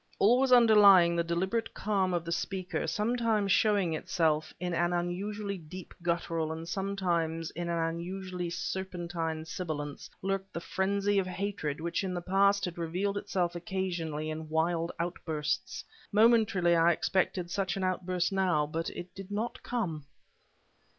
Always underlying the deliberate calm of the speaker, sometimes showing itself in an unusually deep guttural, sometimes in an unusually serpentine sibilance, lurked the frenzy of hatred which in the past had revealed itself occasionally in wild outbursts. Momentarily I expected such an outburst now, but it did not come.